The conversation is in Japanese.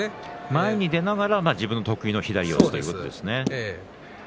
前に出ながら自分の得意の左四つということですね。